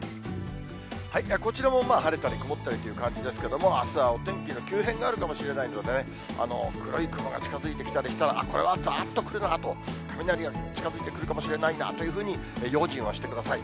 こちらも晴れたり曇ったりという感じですけれども、あすはお天気の急変があるかもしれないのでね、黒い雲が近づいてきたりしたら、これはざーっと来るなと、雷が近づいてくるかもしれないなというふうに用心はしてください。